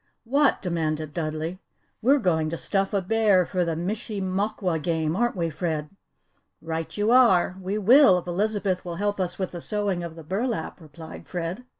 "What?" demanded Dudley. "We're going to stuff a bear for the Mishi mokwa game, aren't we, Fred?" "Right you are! We will, if Elizabeth will help us with the sewing of the burlap," replied Fred.